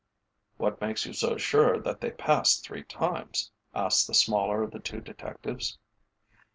"What makes you so sure that they passed three times?" asked the smaller of the two detectives.